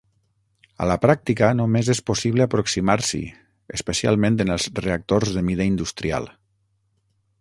A la pràctica només és possible aproximar-s'hi, especialment en els reactors de mida industrial.